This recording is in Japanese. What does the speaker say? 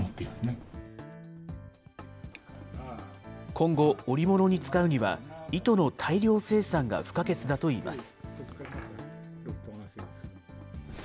今後、織物に使うには、糸の大量生産が不可欠だといいます。